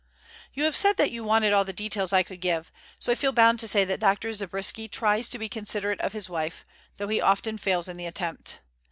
You have said that you wanted all the details I could give; so I feel bound to say that Dr. Zabriskie tries to be considerate of his wife, though he often fails in the attempt.